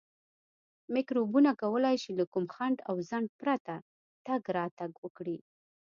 میکروبونه کولای شي له کوم خنډ او ځنډ پرته تګ راتګ وکړي.